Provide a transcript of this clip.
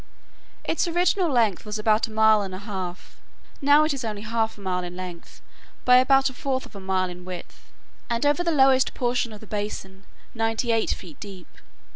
Its original length was about a mile and a half; now it is only half a mile in length by about a fourth of a mile in width, and over the lowest portion of the basin ninety eight feet deep.